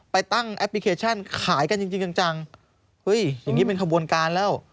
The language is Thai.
ตั้งแอปพลิเคชันขายกันจริงจริงจังจังเฮ้ยอย่างนี้เป็นขบวนการแล้ว